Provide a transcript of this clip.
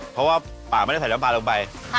เพราะว่าป่าไม่ได้ใส่น้ำปลาลงไป